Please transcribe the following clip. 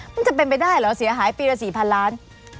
มันจะเป็นไปได้เหรอเสียหายปีละ๔๐๐๐ล้าน